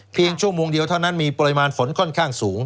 ชั่วโมงเดียวเท่านั้นมีปริมาณฝนค่อนข้างสูง